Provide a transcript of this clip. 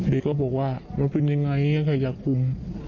เด็กก็บอกว่ามันเป็นยังไงอย่างนี้ค่ะยักษ์คุม